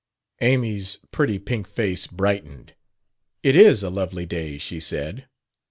Amy's pretty pink face brightened. "It is a lovely day," she said.